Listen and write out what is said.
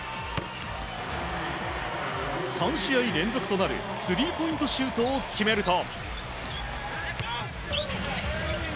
３試合連続となるスリーポイントシュートを決めると。